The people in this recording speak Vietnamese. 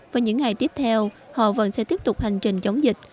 và những ngày tiếp theo họ vẫn sẽ tiếp tục hành trình chống dịch